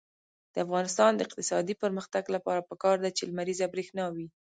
د افغانستان د اقتصادي پرمختګ لپاره پکار ده چې لمریزه برښنا وي.